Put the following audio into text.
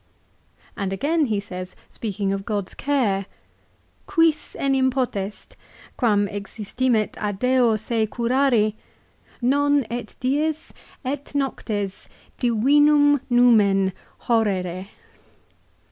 And again he says, speak ing of God's care, " Quis enim potest, quam existimet a cleo se curari, non et dies, et noctes divinum numen horrere